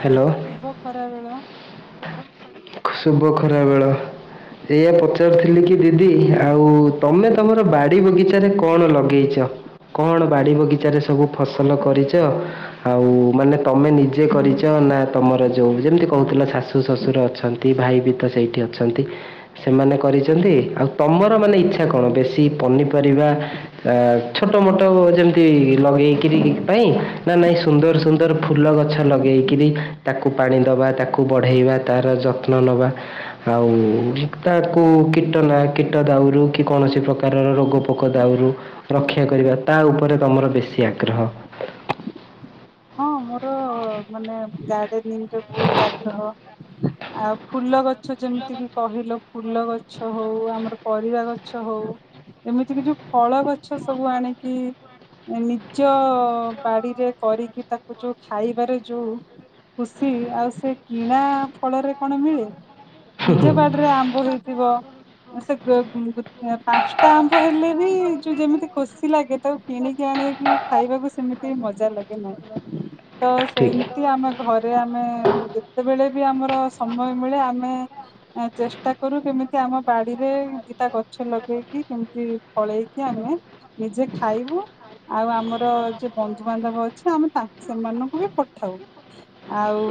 Hello. ଶୁଭ ଖରାବେଳ। ଶୁଭ ଖରାବେଳ। ଏଇଆ ପଚାରୁଥିଲି କି ଦିଦି ଆଉ ତମେ ତମର ବାଡ଼ି ବଗିଚାରେ କଣ ଲଗେଇଚ? କଣ ବାଡ଼ି ବଗିଚାରେ ସବୁ ଫସଲ କରିଚ। ଆଉ ମାନେ ତମେ ନିଜେ କରିଛ ନା ତମର ଯାଉ ଯେମିତି କହୁଥିଲା ଶାଶୁ ଶ୍ୱଶୁର ଅଛନ୍ତି। ଭାଇ ବି ତ ସେଇଠି ଅଛନ୍ତି। ସେମାନେ କରିଛନ୍ତି ଆଉ ତମର ମାନେ ଇଚ୍ଛା କଣ ବେଶୀ ପନିପରିବା। ଆ ଛୋଟ ମୋଟ ଯେମିତି ଲଗେଇକିରି ପାଇଁ ନା ନାଇଁ ସୁନ୍ଦର ସୁନ୍ ଦର ଫୁଲ ଗଛ ଲଗେଇକିରି ତାକୁ ପାଣି ଦେବା ତାକୁ ବଢ଼େଇବା ତାର ଯତ୍ନ ନବା। ଆଉ ତାକୁ କୀଟନା କୀଟ ଦାଉରୁ କି କୌଣସି ପ୍ରକାର ପ୍ରକାରର ରୋଗପୋକ ଦାଉରୁ ରକ୍ଷା କରିବା ତା ଉପରେ ତମର ବେଶୀ ଆଗ୍ରହ। ହଁ ମୋର ମାନେ ଗାର୍ଡେନିଂରେ ବହୁତ ଆଗ୍ରହ। ଆଉ ଫୁଲ ଗଛ ଯେମିତି କିି କହିଲ ଫୁଲ ଗଛ ହଉ ଆମର ପରିବା ଗଛ ହଉ। ଏମିତି କି ଯୋଉ ଫଳ ଗଛ ସବୁ ଆଣିକି ନିଜ ବାଡିରେ କରିକି ତାକୁ ଯୋଉ ଖାଇବାରେ ଯୋଉ ଖୁସି ଆଉ ସେ କିଣା ଫଳରେ କଣ ମିଳେ। ହୁଁ ହୁଁ ନିଜ ବାଡିରେ ଆମ୍ବ ହେଇଥିବ। ସେ ପାଞ୍ଚଟା ଆମ୍ବ ହେଲେ ବି ଯୋଉ ଯେମିତି ଖୁସି ଲାଗେ ତାକୁ କିଣିକି ଆଣିକିି ଖାଇବାକୁ ସେମିତି ମଜା ଲାଗେ ନାହିଁ। ତ ଠିକ୍ ସେମିତି ଆମେ ଘରେ ଆମେ ଯେତେବେଳେ ବି ଆମର ସମୟ ମିଳେ ଆମେ ଚେଷ୍ଟା କରୁ କେମିତି ଆମ ବାଡିରେ ଦିଟା ଗଛ ଲଗେଇକି କେମିତି ଫଳେଇକି ଆମେ ନିଜେ ଖାଇବୁ ଆଉ ଆମର ଯିଏ ବନ୍ଧୁବାନ୍ଧବ ଅଛି ଆମେ ତାଙ୍କୁ ସେମାନଙ୍କୁ ବି ପଠାଉ। ଆଉ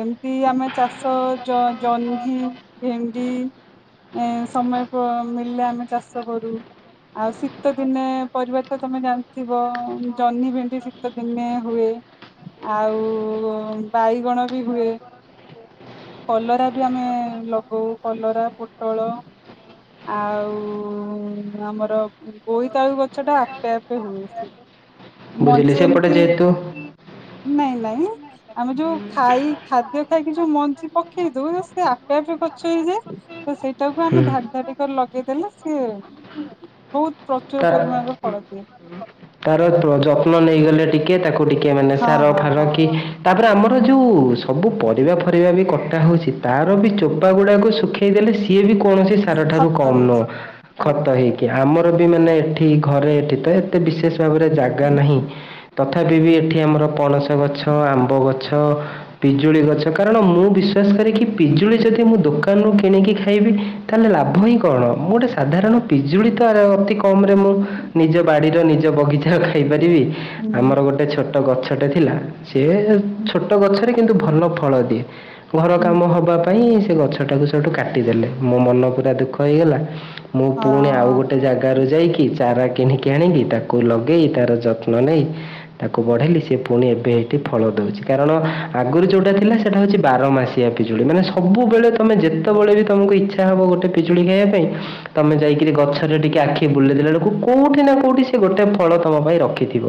ଏମିତି ଆମେ ଚାଷ ଜ ଜହ୍ନି। ଭେଣ୍ଡି ଏଁ ସମୟ ମଳିଲେ ଆମେ ଚାଷ କରୁ। ଆଉ ଶୀତ ଦିନେ ପରିବା ତ ତମେ ଜାଣିଥିବ ଜହ୍ନି ଭେଣ୍ଡି ଶୀତ ଦିନେ ହୁଏ। ଆଉ ବାଇଗଣ ବି ହୁଏ। କଲରା ବି ଆମେ ଲଗଉ କଲରା ପୋଟଳ। ଆଉ ଆମର ବୋଇତାଆଳୁ ଗଛ ଟା ଆପେ ଆପେ ହୁଏ। ବୁଝିଲି ମଞ୍ଜି ସେ ପଟେଛି ଏମିତି ଯେହେତୁ। ନାଇଁ ନାଇଁ। ଆମେ ଯୋଉ ଖାଇ ଖାଦ୍ୟ ଖାଇକି ଯୋଉ ମଞ୍ଜି ପକେଇ ଦଉ ସେ ଆପେ ଆପେ ଗଛ ହେଇଯାଏ। ତ ସେଇଟାକୁ ଆମେ ହୁଁ ଧାଡି ଧାଡି କରି ଲଗେଇଦେଲେ ସିଏ ବହୁତ ପ୍ର ତା ତାର ଯତ୍ନ ନେଇଗଲେ ଟିକେ ତାକୁ ଟିକେ ମାନେ ହଁ ସାର ହଁ ଫାର ହଁ କି ତାପରେ ଆମର ଯୋଉ ସବୁ ପରିବା ଫରିବା ବି କଟା ହଉଛି ତାର ବି ଚୋପା ଗୁଡ଼ାକୁ ଶୁଖି ଇଦେଲେ ସିଏ ବି କୌଣସି ସାର ଠାରୁ କମ ଖତ ନୁହଁ ହେଇଯିବ ହଁ। ଖତ ହେଇକି ଆମର ବି ମାନେ ଏଠି ଘରେ କେତେ। ଏତେ ବିଶେଷ ଭାବରେ ଜାଗା ନାହିଁ। ତଥାପି ବି ଏଠି ଆମର ପଣସ ଗଛ, ଆମ୍ବ ଗଛ ପିଜୁଳି ଗଛ କାରଣ ମୁଁ ବିଶ୍ଵାସ କରେକି ପିଜୁଳି ଯଦି ହୁଁ ମୁଁ ଦୋକାନରୁ କିଣିକି ଖା ଖାଇବି ତାହେଲେ ଲାଭ ହିଁ କଣ? ମୁଁ ଗୋଟେ ସାଧାରଣ ପିଜୁଳି ତ ଅତି କମ ରେ ମୁଁ ନିଜ ବାଡିର ନିଜ ବଗିଚା ଖାଇପାରିବି ହୁଁ ଆମର ଗୋଟେ ଛୋ ଛୋଟ ଗଛଟେ ଥିଲା ସେ ହୁଁ ଛୋଟ ଗଛରେ କିନ୍ତୁ ଭଲ ଫଳ ଦିଏ। ଘର ହୁଁ କାମ ହବା ପାଇଁ ସେ ଗଛ ଟାକୁ ସେଠୁ କାଟି ଦେଲେ ମୋ ମନ ପୁରା ଦୁଃଖ ହେଇଗଲା। ମୁଁ ହଁ ପୁଣି ଆଉ ଗୋଟେ ଜାଗା ଗାରୁ ଯାଇକି ଚାରା କିଣିକି ଆଣିକି ତାକୁ ଲଗେଇ ତାର ଯତ୍ନ ନେଇ। ତାକୁ ବଢେଇଲି ସେ ପୁଣି ଏବେ ଏଇଠି ଫଳ ଦଉଛି କାରଣ ଆଗରୁ ଯୋଉଟା ଥିଲା ସେଟା ହଉଛି ବାର ମାସି। ପିଜୁଳି ମାନେ ସବୁବେଳେ ତମେ ଯେତେବେଳେ ବି ତମକୁ ଇଚ୍ଛା ହେବ ଗୋଟେ ପିଜୁଳି ଖାଇବା ପାଇଁ। ତମେ ଯାଇକିରି ଗଛଟରେ ଟିକେ ଆଖି ବୁଲେଇଦେଲା ବେଳକୁ କୋଉଠି ନା କୋଉଠି ସେ ଗୋଟେ ଫଳ ତମ ପାଇଁ ରଖିଥିବ।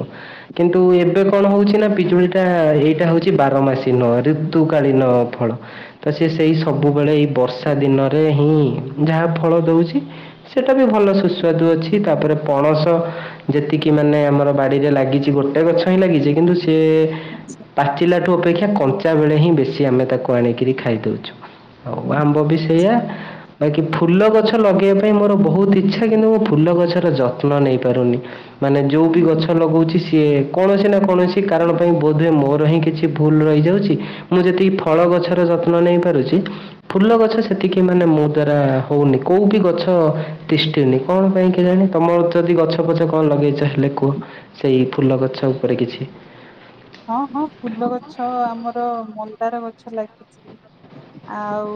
କିନ୍ତୁ ଏବେ କଣ ହଉଛି ନା ପିଜୁଳି ଟା ଏଇଟା ହେଉଛି ବାରମାସି ନୁହ ଋତୁକାଳୀନ ଫଳ। ତ ସିଏ ସେଇ ସବୁବେଳେ ଏଇ ବର୍ଷା ଦିନରେ ହିଁ ଯାହା ଫଳ ଦଉଚି। ସେଟା ବି ଭଲ ସୁସ୍ୱାଦୁ ତାପରେ ପରଷ୍ପର ଯେତିକି ମାନେ ଆମର ବାରିରେ ଲାଗିଚି ଗୋଟେ ଗଛ ହିଁ ଲାଗିଚି କିନ୍ତୁ ସିଏ ଆଚ୍ଛା ପାଚିଲା ଅପେକ୍ଷା କଞ୍ଚା ବେଳେ ହିଁ ଆମେ ତାକୁ ଆଣିକିରୀ ଖାଇ ଦୋଉଚୁ। ମୁଁ ବି ସେଇଆ ଆଚ୍ଛା ବାକି ଫୁଲ ଗଛ ଲଗେଇବା ପାଇଁ ମୋର ବୋହୁତ ଇଚ୍ଛା। କିନ୍ତୁ ମୁଁ ଫୁଲ ଗଛର ଯତ୍ନ ନେଇ ପାରୁନି। ମାନେ ଯୋଉ ବିି ଗଛ ଲଗଉଚି ସିଏ କୌଣସି ନା କୌଣସି କାରଣ ପାଇଁ ବୋଧହୁଏ ମୋର ହିଁ କିଛି ଭୁଲ ରହିଯାଉଚି। ମୁଁ ଯେତିକି ଫଳ ଗଛର ଯତ୍ନ ନେଇପାରୁଚି। ଫୁଲ ଗଛ ସେତିକି ମାନେ ମୋ ଦ୍ଵାରା ହୋଉନି। କୋଉ ବି ଗଛ ତିଷ୍ଠି ନିଜ କଣ ପାଇଁ କି କେଜାଣି ତମର ଯଦି ଗଛ ପଛ କଣ ଲଗେଇଚ ହେଲେ କୁହ? ସେଇ ଫୁଲ ଗଛ ଉପରେ କିଛି ହଁ ହଁ ଫୁଲ ଗଛ ଆମର ମନ୍ଦାର ଗଛ ଲାଗିଚି। ଆଉ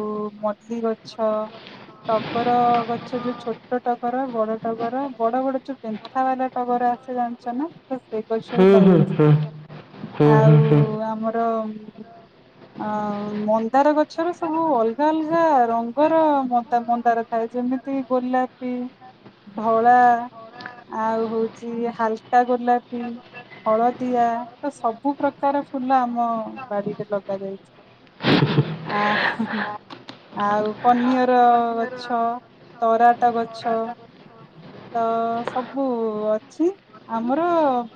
ମଲ୍ଲି ଗଛ। ଟକର ଗଛ ଯୋଉ ଛୋଟ ଟଗର, ବଡ ଟକର ବଡ ବଡ ଯୋଉ ପେ ପେନ୍ଥା ବାଲା ଟଗର ଆସେ ଜାଣିଚ ନା ସେଇ ଗଛ ବି ହୁଁ ହୁଁ ଲାଗିଚି। ହୁଁ ହୁଁ ଆଉ ଆମର ହଁ। ଆଉ ମନ୍ଦାର ଗଛର ସବୁ ଅଲଗା ଅଲଗା ରଙ୍ଗର ମନ୍ଦାର ଥାଏ ଯେମିତି ଗୋଲାପୀ, ଧଳା ଆଉ ହୋଉଚି ହାଲକା ଗୋଲାପୀ ହଳଦିଆ ତ ସବୁ ପ୍ରକାର ଫୁଲ ଆମ ବାରିରେ ଲଗା ଆ ଆଉ କନିଅର ଗଛ ଟରାଟ ଗଛ ତ ସବୁ ଅଛି। ଆମର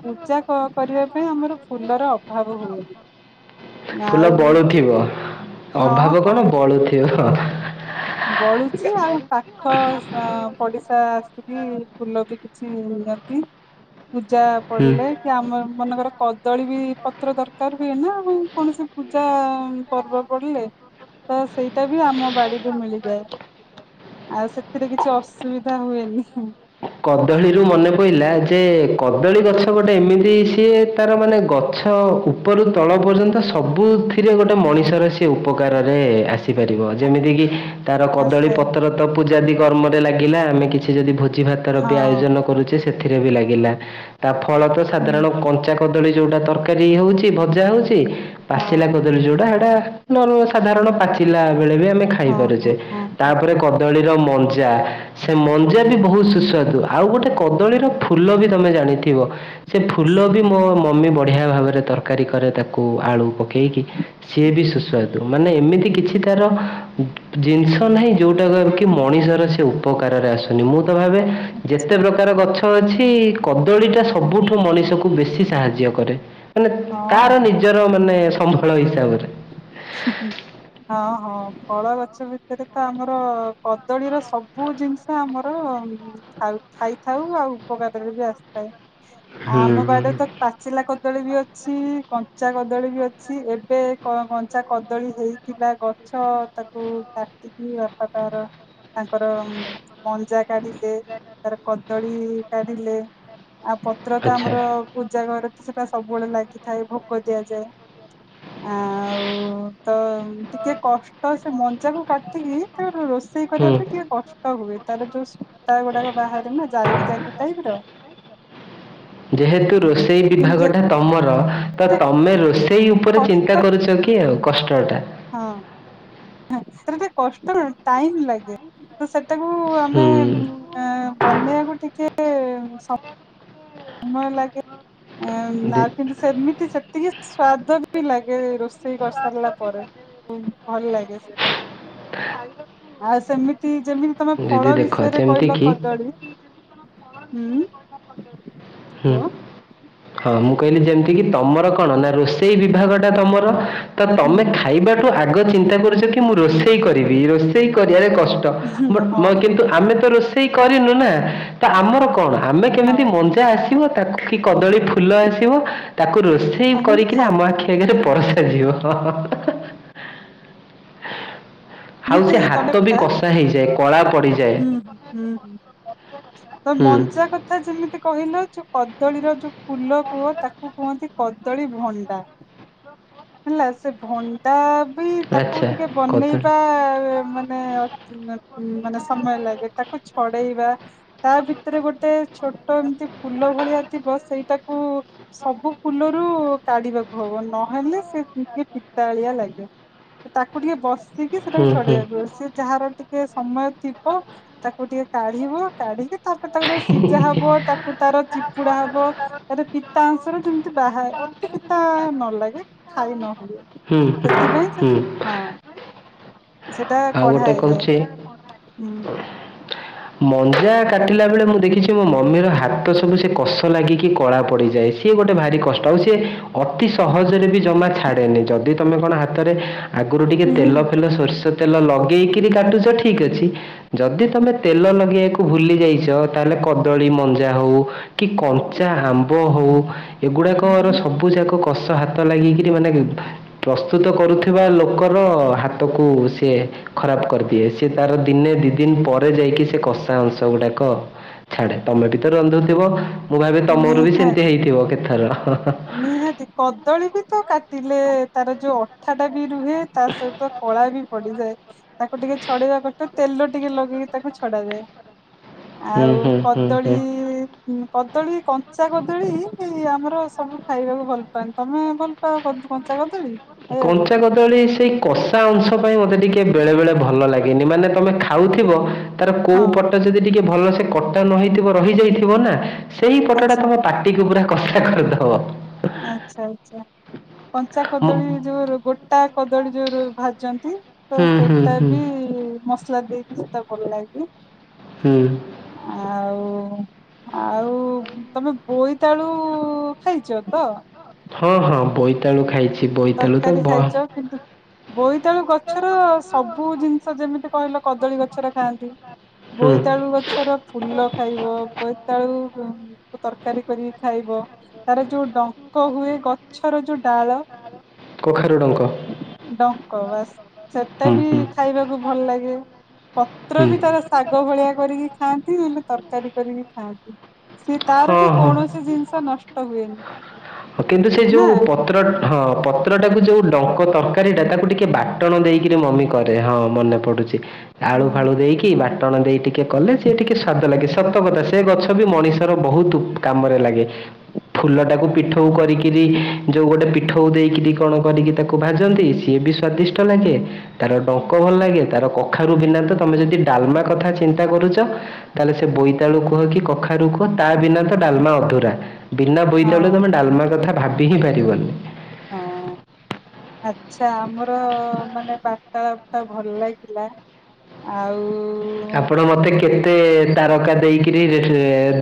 ପୂଜା କ କରିବା ପାଇଁ ଆମର ଫୁଲର ଅଭାବ ହୁଏନି। ଫୁଲ ଆଉ ହଁ ବଳୁଥିବ ଅଭାବ କଣ ବଳୁଥିବ। ବଳୁଚି ଆଉ ପାଖ ପଡିଶା କିଛି ଫୁଲ ବି କିଛି ନିଅନ୍ତି ପୂଜା ହୁଁ ପଡିଲେ କି ଆମ ମନେକର କଦଳୀ ବି ପତ୍ର ଦରକାର ହୁଏ ନା କୌଣସି ପୂଜା ପର୍ବ ବୁଲିଲେ ତ ସେଇଟା ବି ଆମ ବାଡି ମିଳିଯାଏ ଆଉ ସେଥିରେ କିଛି ଅସୁବିଧା ହୁଏନି। କଦଳୀରୁ ଆ ମନେ ପଇଲା ଯେ କଦଳୀ ଗଛ ଗୋଟେ ଏମିତି ସିଏ ତାର ମାନେ ଗଛ ଗଛ ଉପରୁ ତଳ ପର୍ଯ୍ୟନ୍ତ ସବୁଥିରେ ଗୋଟେ ମଣିଷର ସେ ଉପକାରରେ ଆସିପାରିବ ଯେମିତି କିି? ତାର କଦଳୀ ଆସେ ପତ୍ର ତ ପୂଜାଦି କର୍ମରେ ଲାଗିଲା ଆମେ କିଛି ଯଦି ଭୋଜି ଭାତ ତାର ହଁ ବି ଆୟୋଜନ କରୁଚେ ସେଥିରେ ବି ଲାଗିଲା ତା ଫଳ ତ ହୁଁ ସାଧାରଣ କଞ୍ଚା କଦଳୀ ଯୋଉଟା ତରକାରୀ ହୋଉଚି ଭଜା ହୋଉଚି ହଁ ପାଚିଲା କ ଯୋଉଟା ହେଟା ନର ସାଧାରଣ ପାଚିଲା ବେଳେ ବି ଆମେ ଖାଇ ହଁ ପାରୁଚେ ହଁ ହଁ ହଁ ତାପରେ କଦଳୀ ର ମଞ୍ଜା ସେ ମଞ୍ଜା ବି ବୋହୁତ ସୁସ୍ ଶୁଣନ୍ତୁ ଆଉ ଗୋଟେ କଦଳୀର ଫୁଲ ବି ତମେ ଜାଣିଥିବ ସେ ଫୁଲ ବି ମୋ ମମି ବଢ଼ିଆ ଭାବରେ ତରକାରୀ କରେ ତାକୁ ଆଳୁ ପକାଇକି ସିଏ ବି ସୁସ୍ୱାଦୁ। ମାନେ ଏମିତି କିଛି ତାର ଜିନିଷ ନାହିଁ ଯୋଉଟା କି ମଣିଷର ସେ ଉପକାରରେ ଆସୁନି ମୁଁ ତ ଭାବେ ଆଚ୍ଛା ଯେତେ ପ୍ରକାର ଗଛ ଅଛି କଦଳୀ ଟା ସବୁଠୁ ମଣିଷକୁ ବେଶୀ ସାହାଯ୍ୟ କରେ। ମାନେ ତାର ହଁ ନିଜର ମାନେ ସମ୍ବଳ ହିସାବରେ। ହୁ ହୁଁ ହଁ ହଁ ଫଳ ଗଛ ଭିତରେ ତ ଆମର କଦଳୀର ସବୁ ଜିନି ଆମର ଖାଉ ଖାଇଥାଉ ଆଉ ଉପକାରରେ ବି ଆସିଥାଏ। ଆ ହୁଁ ଆମ ହୁଁ ପାଖ ରେ ତ ପାଚିଲା କଦଳୀ ବି ଅଛି କଞ୍ଚା କଦଳୀ ବି ଅଛି ଏବେ କ ତା କଦଳୀ ହେଇଥିଲା ଗଛ ତାକୁ କାଟିକି ବାପା ତାର ତାଙ୍କର ମଞ୍ଜା କାଢିବେ, ତାର କଦଳୀ ହୁ କାଢିଲେ ଆଉ ପତ୍ର ତ ଆଚ୍ଛା। ଆମର ପୂଜା ଘରେ ତ ସେଟା ସବୁବେଳେ ଲାଗିଥାଏ ଭୋକ ଦିଆଯାଏ ଆଉ ହ ତ ଟିକେ କଷ୍ଟ ସେ ମଞ୍ଜା କୁ କାଟିକି ଟିକେ ରୋଷେଇ କରିବା ହୁଁ। ଟିକେ କଷ୍ଟ ହୁଏ, ତାର ଯୋଉ ସୂତା ଗୁଡାକ ବାହାରେ ନା ଜାଲବି ଜାଲବି ଟାଇପ ର ଯେହେତୁ ରୋଷେଇ କିନ୍ତୁ ବିଭାଗ ଟା ତମର, ତ ଏତେ ତମେ ରୋଷେଇ ସେଇ ଉପରେ ଚିନ୍ତା କଷ୍ଟ କରୁଛ କି ଆଉ କଷ୍ଟଟା? ହଁ ସେଟା ଟିକେ କଷ୍ଟ ନୁହେଁ, ଟାଇମ ଲାଗେ। ତ ସେଟାକୁ ହୁଁ। ଆମେ ଆ ବନେଇବାକୁ ଟିକେ ସମୟ ଲାଗେ ଉଁ ଦେ ଆଉ କିନ୍ତୁ ସେମିତି ସେତିକି ସ୍ଵାଦ ବି ଲାଗେ, ରୋଷେଇ କରିସାରିଲା ପରେ। ଭଲ ଲାଗେ ସେଟା ଆଉ ସେମିତି ଯେମିତି ତମେ ଦିଦି ଫଳ ଦେଖ ବିଷୟରେ ଯେମିତି କହିଲ କି କଦଳୀ ହୁ? ହୁଁ ହଁ ମୁଁ କହିଲି ଯେମିତି କିି ତମର କଣ ନା, ରୋଷେଇ ବିଭାଗ ଟା ତମର? ତ ହୁଁ ତମେ ଖାଇବାଠୁ ଆଗ ଚିନ୍ତା କରୁଛ କି ମୁଁ ରୋଷେଇ କରିବି, ରୋଷେଇ କରିବାରେ କଷ୍ଟ ହୁଁ ହଉ କିନ୍ତୁ ଆମେ ତ ରୋଷେଇ କରିନୁ ନା, ତ ଆମର କଣ ଆମେ କେମିତି ହଉ ମଞ୍ଚ ଆସିବ ତାକୁ କି କଦଳୀ ଫୁଲ ଆସିବ ତାକୁ ରୋଷେଇ ଏମିତି କରିକିରି ଆମ ଖାଇବ ଆଖି ସେ ଘରେ ପରସା ଯିବ। ଆଉ ଏମିତି ସେ ତମେ ହାତ ବି କଥା କଷ୍ଟ ପଚା ହେଇଯାଏ, କଳା ପଡିଯାଏ, ହୁଁ ହୁଁ ହୁଁ ତ ହୁଁ। ମଞ୍ଜା କଥା ଯେମିତି କହିଲ ଯୋଉ କଦଳୀର ଯୋଉ ଫୁଲ କୁହ ତାକୁ କୁହନ୍ତି କଦଳୀ ଭଣ୍ଡା। ହେଲା ସେ ଭଣ୍ଡା ବି ତାକୁ ଟିକେ ବନେଇବା ମାନେ ମାନେ ସମୟ ଲାଗେ, ତାକୁ ଛଡେଇବା ତା ଭିତରେ ଗୋଟେ ଛୋଟ ଏମିତି ଫୁଲ ଭଳିଆ ଥିବ ସେଇଠା? ତାକୁ ସବୁ ଫୁଲରୁ କାଢିବାକୁ ହବ, ନହେଲେ ସେ ଟିକେ ତାଳିଆ ଲାଗେ, ତାକୁ ଟିକେ ବସିକି ସେଟାକୁ ଛଡେଇବାକୁ ସେ ଯାହାର ଟିକେ ଟିକେ ସମୟ ଥିବ, ତାକୁ ଟିକେ କାଢିବ, କାଢିକି ତାପରେ ତାକୁ ସିଝା ହବ, ତାକୁ ତାର ଚିପୁଡା ହବ। ତାର ପିତା ଅଂଶରା ଯେମିତି ବାହାରେ ଅତି ପିତା ନଲାଗେ ଖାଇ ନ ହୁଏ, ହୁଁ ସେଥିପାଇ ହୁଁ ତାକୁ ହ। ସେଟା ଆଉ କଢା ଗୋଟେ ହେଇଯାଏ, କହୁଛି ହୁଁ ମଞ୍ଜା କାଟିଲା ବେଳେ ମୁଁ ଦେଖିଛି ମୋ ମମିର ହାତ ସବୁ ସେ କଷ ଲାଗିକି କଳା ପଡିଯାଇଛି। ସିଏ ଗୋଟେ ଭାରି କଷ୍ଟ ଆଉ ସିଏ ଅତି ସହଜରେ ବି ଜମା ଛାଡ଼େନି, ଯଦି ତମେ କଣ ହାତରେ ଆଗରୁ ଟିକେ ହୁଁ। ତେଲ ଫେଲ ସୋରିଷ ତେଲ ଲଗେଇକିରି କାଟୁଛ ଠିକ ଅଛି, ଯଦି ତମେ ତେଲ ଲଗାଇବାକୁ ଭୁଲି ଯାଇଛ, ତାହେଲେ କଦଳୀ ମଞ୍ଜା ହେଉ କି କଞ୍ଚା ହମ୍ ହଉ ଏଗୁଡାକର ହୁଁ ସବୁ ଯାକ କଷ ହାତ ଲାଗିକିରି ମାନେ ପ୍ରସ୍ତୁତ କରୁଥିବା ଲୋକର ହାତକୁ ସେ ଖରାପ କରିଦିଏ ସେ ତାର ଦିନେ ଦି ଦିନ ପରେ ଯାଇକି ସେ କଷା ଅଂଶ ଗୁଡାକ ଛାଡେ, ତମେ ବି ତ ରାନ୍ଧୁଥିବ। ମୁଁ ଭାବିବି ତମରୁ ବି ସେମିତି ନିହାତି ହେଇଥିବ କେଥର। ନିହାତି କଦଳୀ ବି ତ କାଟିଲେ ତାର ଯୋଉ ମିଠା ଟା ବି ରୁହେ, ତା ସହିତ କଳା ବି ପଡିଯାଏ ତାକୁ ଟିକେ ଛଡେଇବା କଷ୍ଟ ତେଲ ଟିକେ ଲଗେଇକି ତାକୁ ଛଡାଯାଏ। ହୁଁ ଆଉ ହୁଁ ହୁଁ ହୁଁ କଦଳୀ କଦଳୀ କଞ୍ଚା କଦଳୀ ଆମର ସବୁ ଖାଇବାକୁ ଭଲ ପାଆନ୍ତି, ତମେ ଭଲ ତମର କଣ କଞ୍ଚା କଦଳି? କଞ୍ଚା ସେଇ କଷା ଅଂଶ ପାଇଁ ମୋତେ ଟିକେ ବେଳେବେଳେ ଭଲ ଲାଗେନି, ମାନେ ତମେ ଖାଉଥିବ ତାର କୋଉ ହଁ ପଟ ଯଦି ଟିକେ ଭଲ ସେ କଟା ନ ହେଇଥିବ ରହିଯାଇଥିବ ନା ସେଇ ପଟ ଟା ଆଚ୍ଛା ତମ ପାଟିକୁୁ ପୁରା କଷା କରିଦବ। ଆଛା, ଆଛା, କଞ୍ଚା କଦଳୀ ମୁଁ- ଯୋଉ ଗୋଟେ ଟ କଦଳୀ ଯୋଉ ଭାଜନ୍ତି ତ ହୁଁ ହୁଁ ସେଇଟା ହୁଁ ବି ଯୋଉ ମସଲା ଦେଇକି ସେଇଟା ଭଲ ଲାଗେ। ହୁଁ। ଆଉ ଆଉ ତମେ ବୋଇତାଳୁ ଖାଇ ସେୟା ତ ହଁ ହଁ ବୋଇତାଳୁ ଖାଇଛି ବୋଇତାଳୁ ତ ତରକାରୀ ବ ଖାଇଛ କିନ୍ତୁ ବୋଇତାଳୁ ଗଛର ସବୁ ଜିନିଷ ଯେମିତି କହିଲ କଦଳୀ ଗଛର ଖାଆନ୍ତି। ହୁଁ ବୋଇତାଳୁ ଗଛର ଫୁଲ ଖାଇବ ବୋଇତାଳୁ ଉ ତରକାରୀ କରି ଖାଇବ। ତାର ଯୋଉ ଡଙ୍କ ହୁଏ ଗଛର ଯୋଉ ଡାଳ କଖାରୁ ଡଙ୍କ ଡଙ୍କ ବାସ ସେଟା ହୁଁ ହୁଁ ବି ଖାଇବାକୁ ଭଲ ଲାଗେ ପତ୍ର ହୁଁ ବି ତାର ଶାଗ ଭଳିଆ କରିକି ଖାଆନ୍ତି ନହେଲେ ତରକାରୀ କରିକି ଖାଆନ୍ତି। ସେ ତାର ହଁ ବି ହଁ ହଁ, କୌଣସି ଜିନିଷ ନଷ୍ଟ ହୁଏନି। କିନ୍ତୁ ସେ ନା। ଯୋଉ ପତ୍ର ହଁ ପତ୍ରଟାକୁ ଯୋଉ ଡଙ୍କ ତରକାରୀ ଟା ତାକୁ ଟିକେ ବାଟଣ ଦେଇକିରି ମମି କରେ ହଁ ମନେ ପଡୁଛି ଆଳୁ ହୁଁ ଫାଳୁ ଦେଇକି ବାଟଣ ଦେଇ ଟିକେ କଲେ ଯିଏ ଟିକେ ସ୍ଵାଦ ଲାଗେ। ସତକଥା ସେ ଗଛ ବି ମଣିଷ ବହୁତ କାମରେ ଲାଗେ ଫୁଲଟାକୁ ପି ପିଠଉ କରିକିରି ଯୋଉ ଗୋଟେ ପିଠଉ ଦେଇକିରି କଣ କରିକି ତାକୁ ଭାଜନ୍ତି ସିଏ ବି ସ୍ଵାଦିଷ୍ଟ ଲାଗେ। ତାର ଡଙ୍କ ଭଲ ଆଚ୍ଛା ଲାଗେ ତାର କଖାରୁ ବିନା ତ ତମେ ଯଦି ଡାଲମା କଥା ଚିନ୍ତା କରୁଛ ତାହେଲେ ସେ ବୋଇତାଳୁ କୁହ କି କଖାରୁ କୁହ ତା ବିନା ଡାଲମା ଅଧୁରା ବିନା ବୋଇତାଳୁରେ ହଁ ତମେ ଡାଲମା କଥା ଭାବି ହିଁ ପାରିବାନି। ହଁ। ଆଚ୍ଛା ଆମର ମାନେ ବାର୍ତାଳାପ ଟା ଭଲ ଲାଗିଲା। ଆଉ ଆପଣ ମୋତେ କେତେ ମତେ ତାରକା ଦେଇକିରି ଇ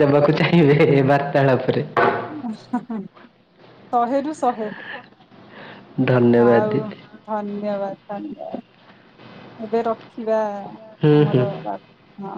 ଦେବାକୁ ଚାହିଁବେ ବାର୍ତାଳାପରେ। [unintelligible] ଶହେରୁୁ ଶହେ। ଧନ୍ୟବାଦ ଆଉ ଦିଦି ଧନ୍ୟବାଦ ଧନ୍ୟବାଦ ଏବେ ରଖିବା ହୁଁ ଆମର ହୁଁ ବା ହଁ।